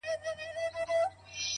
• اې د ویدي د مست سُرود او اوستا لوري،